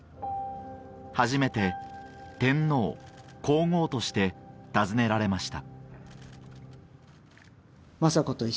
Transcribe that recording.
初めて天皇皇后として訪ねられました